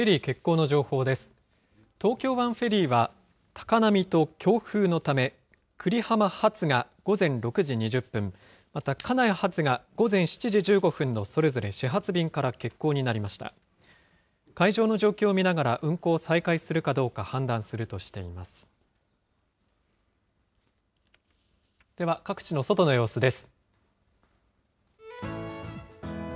海上の状況を見ながら運航を再開するかどうか判断するとしています。